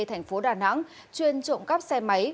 thành phố đà nẵng chuyên trộm cắp xe máy